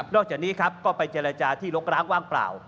จากนี้ครับก็ไปเจรจาที่รกร้างว่างเปล่า